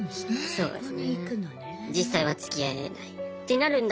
そうですね。